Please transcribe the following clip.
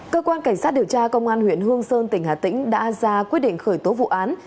cơ quan cảnh sát điều tra công an huyện hương sơn tỉnh hà tĩnh đã ra quyết định khởi tố vụ án